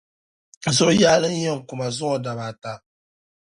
Zuɣu yaali n yen kuma zuŋo dabaata.